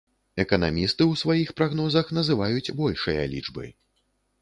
Эканамісты ў сваіх прагнозах называюць большыя лічбы.